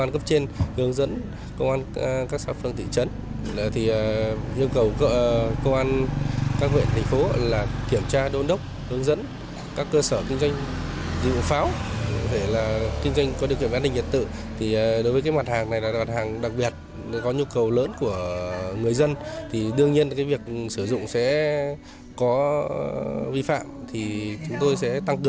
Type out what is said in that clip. các cơ sở phải duy trì thường xuyên các điều kiện về an ninh trật tự trong suốt quá trình hoạt động kinh doanh